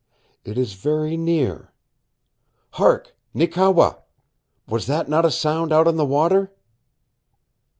It is very near. Hark, Neekewa! Was that not a sound out on the water?"